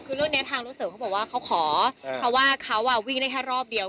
คือเรื่องนี้ทางรถเสริมเขาบอกว่าเขาขอเพราะว่าเขาวิ่งได้แค่รอบเดียว